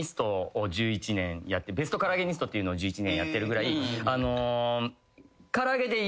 ベストカラアゲニストっていうのを１１年やってるぐらい。